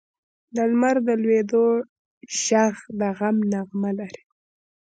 د لمر د لوېدو ږغ د غم نغمه لري.